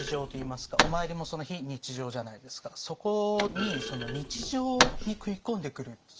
そこに日常に食い込んでくる。